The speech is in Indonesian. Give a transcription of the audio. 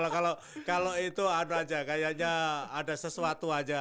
kalau itu aduh aja kayaknya ada sesuatu aja